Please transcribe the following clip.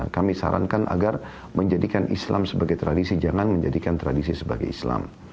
kami sarankan agar menjadikan islam sebagai tradisi jangan menjadikan tradisi sebagai islam